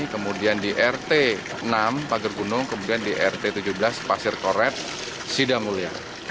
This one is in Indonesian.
kemudian di rt enam pager gunung kemudian di rt tujuh belas pasir koret sidamulya